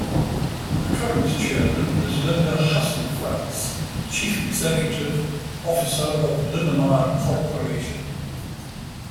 The current Chairman is Linda Hasenfratz, Chief Executive Officer of Linamar Corporation.